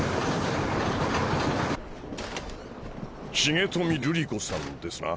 重富瑠璃子さんですな？